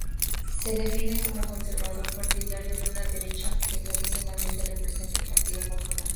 Se define como conservador, partidario de una derecha que tradicionalmente representaba el Partido Popular.